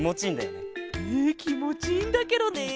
えきもちいいんだケロね。